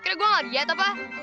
kira gua lagi ya